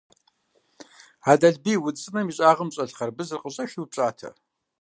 Ӏэдэлбий, удз цӀынэм и щӀагъым щӀэлъ хъарбызыр къыщӀэхи упщӀатэ.